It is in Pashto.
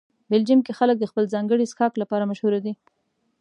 بلجیم کې خلک د خپل ځانګړي څښاک لپاره مشهوره دي.